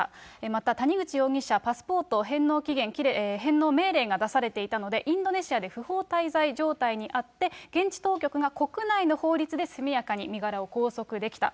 また、谷口容疑者、パスポート返納命令が出されていたので、インドネシアで不法滞在状態にあって、現地当局が国内の法律で速やかに身柄を拘束できた。